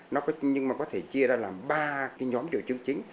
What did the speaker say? nhưng mà có thể chia ra là ba cái nhóm triệu chứng chính